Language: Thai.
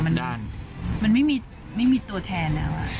มันไม่มีตัวแทนแล้ว